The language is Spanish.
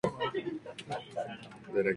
Finalmente se reconcilian.